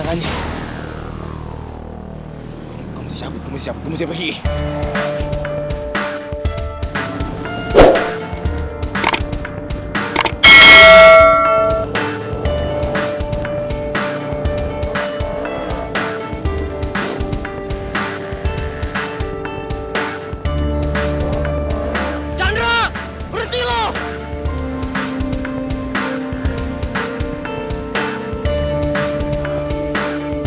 kok aku masih khawatir ya sama chandra